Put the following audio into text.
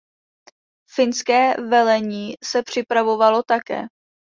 Finské velení se připravovalo také.